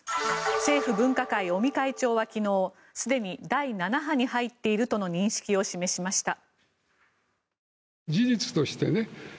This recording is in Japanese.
政府分科会、尾身会長は昨日すでに第７波に入っているとの認識を示しました。